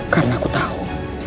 karena aku tahu